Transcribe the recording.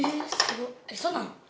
そうなの？